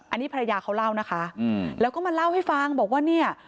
อันนี้ภรรยาเขาเล่านะคะแล้วก็มาเล่าให้ฟังบอกว่าเนี่ย